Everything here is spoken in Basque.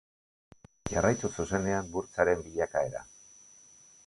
Jarraitu zuzenean burtsaren bilakaera.